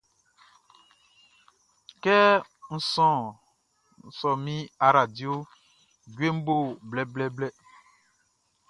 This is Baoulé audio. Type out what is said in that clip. Kɛ n sɔ min aradioʼn, djueʼn bo blɛblɛblɛ.